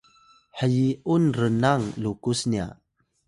hyi’un rnang lukus nya